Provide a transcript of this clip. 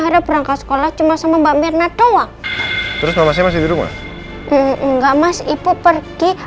harap rangka sekolah cuma sama mbak mirna doang terus masih rumah enggak mas ibu pergi